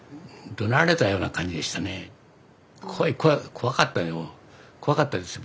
怖かったよ怖かったですよ